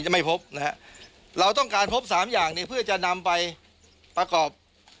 จะไม่พบนะฮะเราต้องการพบสามอย่างเนี่ยเพื่อจะนำไปประกอบ